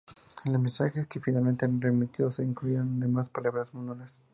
En los mensajes que, finalmente, eran remitidos, se incluían, además, palabras nulas.